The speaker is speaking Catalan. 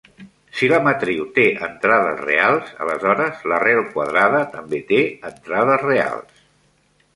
Si la matriu té entrades reals, aleshores l'arrel quadrada també té entrades reals.